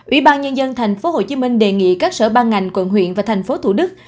ủy ban nhân dân tp hcm đề nghị các sở ban ngành quận huyện và thành phố thủ đức